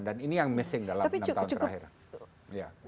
dan ini yang missing dalam enam tahun terakhir